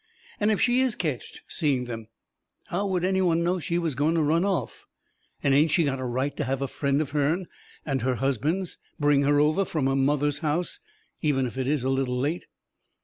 And if she is ketched seeing them, how would any one know she was going to run off? And ain't she got a right to have a friend of hern and her husband's bring her over from her mother's house, even if it is a little late?